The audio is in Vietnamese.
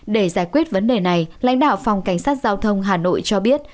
để giải quyết vấn đề này lãnh đạo phòng cảnh sát giao thông hà nội cho biết